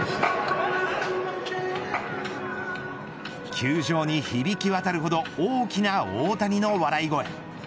球場に響き渡るほど大きな大谷の笑い声。